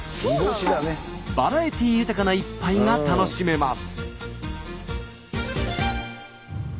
バラエティー豊かな一杯が楽しめます。